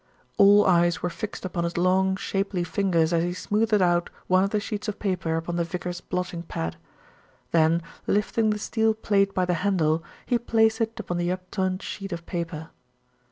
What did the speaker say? All eyes were fixed upon his long, shapely fingers as he smoothed out one of the sheets of paper upon the vicar's blotting pad. Then, lifting the steel plate by the handle, he placed it upon the upturned sheet of paper.